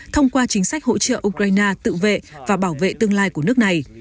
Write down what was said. thông qua chính sách hỗ trợ ukraine tự vệ và bảo vệ tương lai của nước này